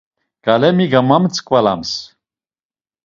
Ǩelemi gamamtzvalams.